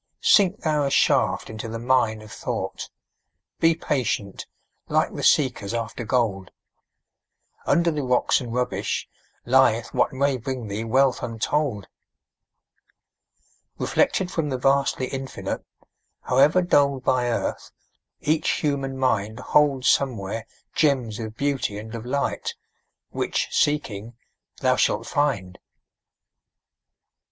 Sink thou a shaft into the mine of thought; Be patient, like the seekers after gold; Under the rocks and rubbish lieth what May bring thee wealth untold. Reflected from the vastly Infinite, However dulled by earth, each human mind Holds somewhere gems of beauty and of light Which, seeking, thou shalt find.